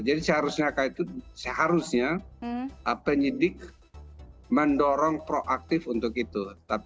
jadi seharusnya kak itu seharusnya penyidik mendorong proaktif untuk itu